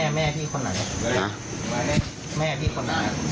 แล้วแม่ที่คนไหนครับ